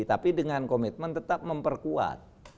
tapi dengan komitmen tetap memperkuat